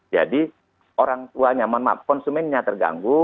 jadi orang tua nyaman maka konsumennya terganggu